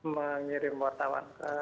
mengirim wartawan ke